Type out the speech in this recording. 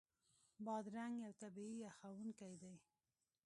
بادرنګ یو طبعي یخونکی دی.